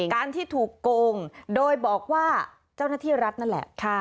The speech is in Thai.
การที่ถูกโกงโดยบอกว่าเจ้าหน้าที่รัฐนั่นแหละ